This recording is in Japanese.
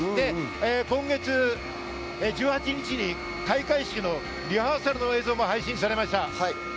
今月１８日に開会式のリハーサルの映像も配信されました。